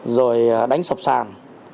rồi đánh sập sàn